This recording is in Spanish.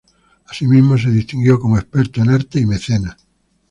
Asimismo se distinguió como experto en arte y mecenas.